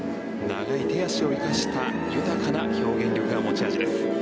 長い手足を生かした豊かな表現力が持ち味です。